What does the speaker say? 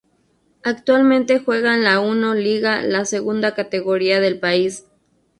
Actualmente juega en la I liga, la segunda categoría del país.